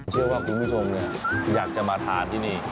เชื่อว่าคุณผู้ชมอยากจะมาทานที่นี่